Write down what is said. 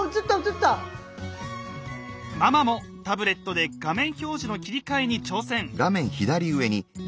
ママもタブレットで画面表示の切り替えに挑戦！